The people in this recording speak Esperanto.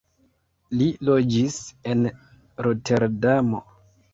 Li loĝis en Roterdamo.